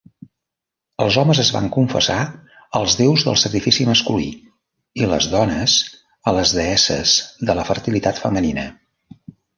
Els homes es van confessar als déus del sacrifici masculí, i les dones a les deesses de la fertilitat femenina.